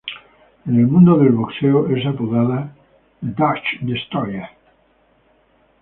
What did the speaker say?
En el mundo del boxeo, es apodada "The Dutch Destroyer".